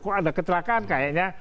kok ada kecelakaan kayaknya